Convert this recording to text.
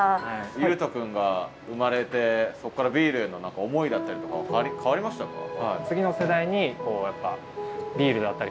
悠人くんが生まれてそこからビールへの思いだったりとかは変わりましたか？